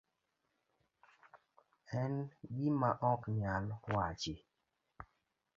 En gima ok nyal wachi.